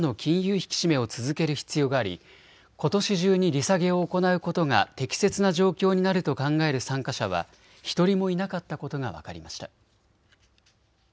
引き締めを続ける必要があり、ことし中に利下げを行うことが適切な状況になると考える参加者は１人もいなかったことが分かりました。